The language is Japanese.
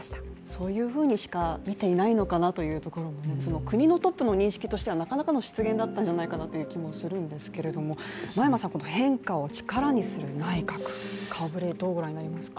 そういうふうにしか見ていないのかなというところも国のトップの認識としてはなかなかの失言だったのではないかなと思うんですけれどもこの変化を力にする内閣顔ぶれ、どうご覧になりますか？